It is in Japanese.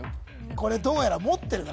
これどうやら持ってるな